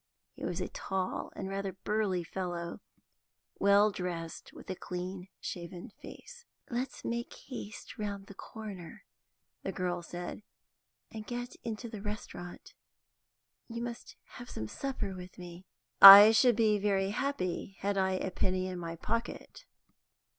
He was a tall and rather burly fellow, well dressed, with a clean shaven face. "Let's make haste round the corner," the girl said, "and get into the restaurant. You must have some supper with me." "I should be very happy, had I a penny in my pocket."